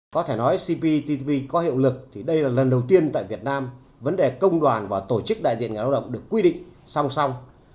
có thể nói cptpp có hiệu lực thì đây là lần đầu tiên tại việt nam vấn đề công đoàn và tổ chức đại diện người lao động được quy định song song